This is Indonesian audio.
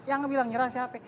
yang bilang nyerah siapa